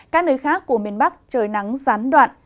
các nơi khác của miền bắc trời nắng gián đoạn